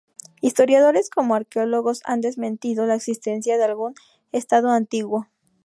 Historiadores como arqueólogos han desmentido la existencia de algún Estado antiguo.